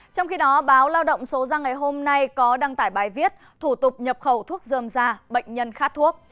trong khi đó báo lao động số ra ngày hôm nay có đăng tải bài viết thủ tục nhập khẩu thuốc dơm ra bệnh nhân khát thuốc